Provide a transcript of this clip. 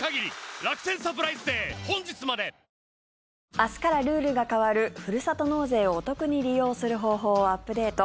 明日からルールが変わるふるさと納税をお得に利用する方法をアップデート。